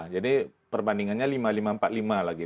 jadi perbandingannya lima puluh lima empat puluh lima lagi